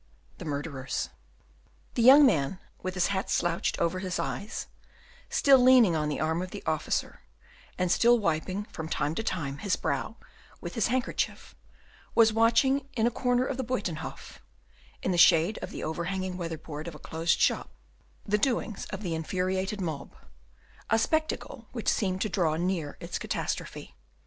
The Murderers The young man with his hat slouched over his eyes, still leaning on the arm of the officer, and still wiping from time to time his brow with his handkerchief, was watching in a corner of the Buytenhof, in the shade of the overhanging weather board of a closed shop, the doings of the infuriated mob, a spectacle which seemed to draw near its catastrophe.